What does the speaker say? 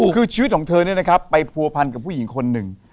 คือชีวิตของเธอเนี่ยนะครับไปผัวพันกับผู้หญิงคนหนึ่ง